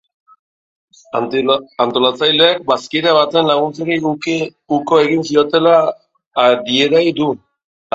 Antolatzaileek bazkide baten laguntzari uko egin ziotela adierai du.